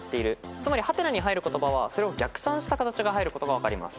つまり「？」に入る言葉はそれを逆算した形が入ることが分かります。